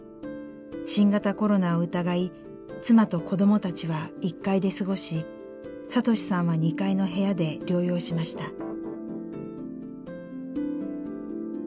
新型コロナを疑い妻と子供たちは１階で過ごし聡士さんは２階の部屋で療養しました。